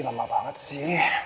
lama banget sih